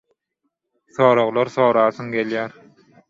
Soraglar sorasyň gelýär.